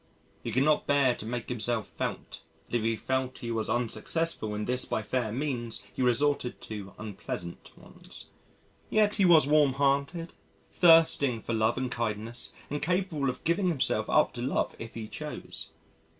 ... He could not bear not to make himself felt and if he felt he was unsuccessful in this by fair means he resorted to unpleasant ones. Yet he was warm hearted, thirsting for love and kindness and capable of giving himself up to love if he chose....